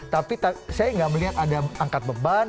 tapi saya nggak melihat ada angkat beban